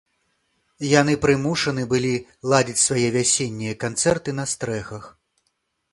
Яны прымушаны былі ладзіць свае вясеннія канцэрты на стрэхах.